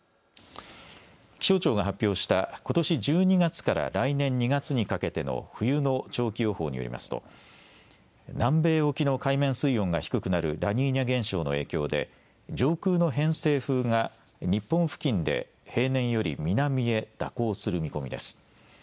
気象庁が発表したことし１２月から来年２月にかけての冬の長期予報によりますと南米沖の海面水温が低くなるラニーニャ現象の影響で上空の偏西風が日本付近で平年より南へ蛇行する見込みです。